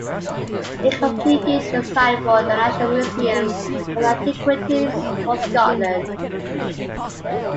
He completed the design for the National Museum of Antiquities for Scotland.